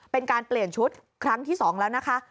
เป็นการเปลี่ยนชุดครั้งที่๒แล้วนะคะ